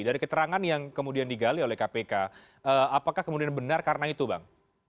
dari keterangan yang kemudian digali oleh kpk apakah kemudian benar karena itu bang